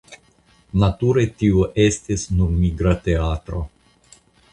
Nature tio estis nur migra teatro.